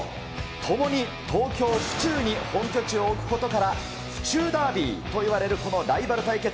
ともに東京・府中に本拠地を置くことから、府中ダービーといわれるこのライバル対決。